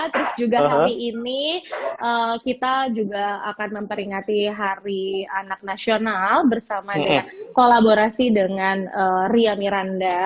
terus juga hari ini kita juga akan memperingati hari anak nasional bersama dengan kolaborasi dengan ria miranda